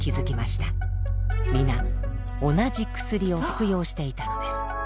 皆同じ薬を服用していたのです。